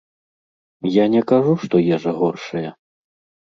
Я не кажу, што ежа горшая.